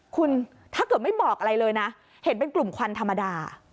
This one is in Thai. คุณถ้าเกิดไม่บอกอะไรเลยนะเห็นเป็นกลุ่มควันธรรมดา